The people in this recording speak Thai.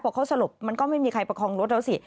พอเขาสลบมันก็ไม่มีใครประคองรถแล้วสิ